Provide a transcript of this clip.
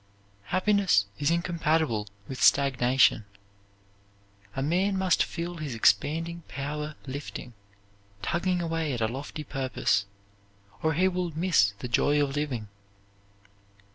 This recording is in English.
Happiness is incompatible with stagnation. A man must feel his expanding power lifting, tugging away at a lofty purpose, or he will miss the joy of living.